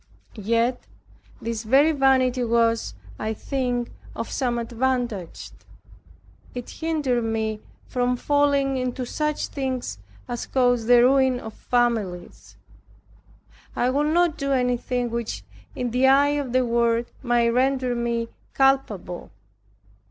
Yet this very vanity was, I think, of some advantage; it hindered me from falling into such things as cause the ruin of families. I would not do anything which in the eye of the world, might render me culpable.